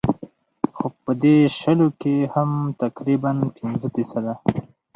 خو پۀ دې شلو کښې هم تقريباً پنځه فيصده